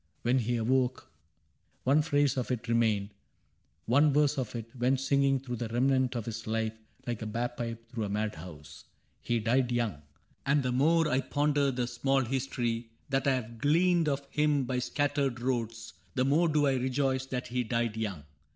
When he awoke One phrase of it remained ; one verse of it Went singing through the remnant of his life Like a bag pipe through a mad house. — He died young. And the more I ponder the small history That I have gleaned of him by scattered roads. The more do I rejoice that he died young.